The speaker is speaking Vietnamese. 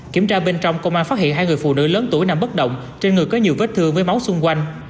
kiểm tra bên trong công an phát hiện hai người phụ nữ lớn tuổi nằm bất động trên người có nhiều vết thương với máu xung quanh